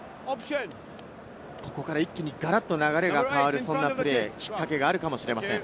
ここから一気にガラッと流れが変わる、そんなプレー、きっかけがあるかもしれません。